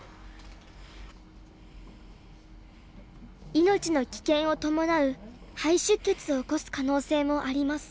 命の危険を伴う肺出血を起こす可能性もあります。